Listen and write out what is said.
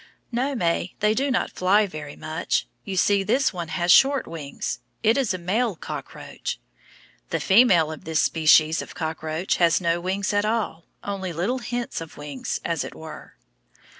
No, May, they do not fly very much. You see this one has short wings. It is a male cockroach. The female of this species of cockroach has no wings at all, only little hints of wings, as it were.